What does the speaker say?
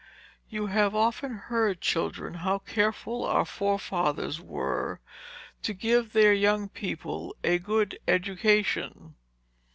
You have often heard, children, how careful our forefathers were, to give their young people a good education.